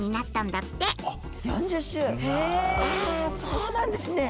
そうなんですね。